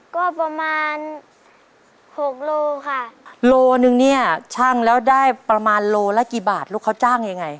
ก็ประมาณหกโลค่ะโลหนึ่งเนี่ยช่างแล้วได้ประมาณโลละกี่บาทลูกเขาจ้างยังไง